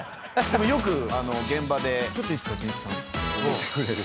よく現場で「ちょっといいっすか？准一さん」って取ってくれる。